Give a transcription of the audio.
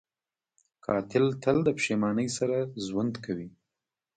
قاتل تل د پښېمانۍ سره ژوند کوي